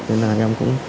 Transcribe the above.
thế nên là em cũng